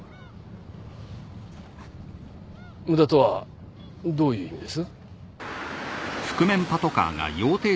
ムダとはどういう意味です？